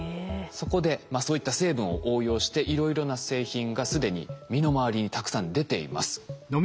そこでそういった成分を応用していろいろな製品が既に身の回りにたくさん出ています。